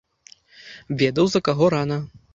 Ведаў, за каго рана.